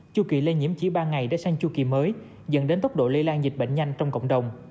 chu kỳ lây nhiễm chỉ ba ngày để sang chu kỳ mới dẫn đến tốc độ lây lan dịch bệnh nhanh trong cộng đồng